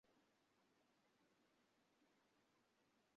যিনি আমার বন্ধু তাঁহাকে আমি জানিয়াছি।